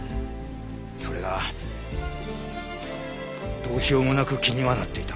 それがどうしようもなく気にはなっていた。